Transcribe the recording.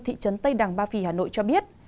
thị trấn tây đằng ba phì hà nội cho biết